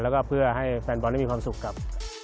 แล้วก็เพื่อให้แฟนบอลได้มีความสุขกับ